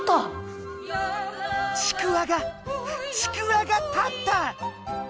ちくわがちくわが立った！